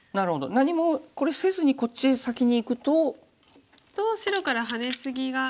何もこれせずにこっちへ先にいくと。と白からハネツギが。